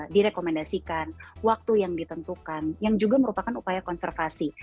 direkomendasikan waktu yang ditentukan yang juga merupakan upaya konservasi